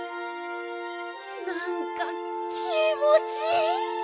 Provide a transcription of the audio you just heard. なんか気もちいい！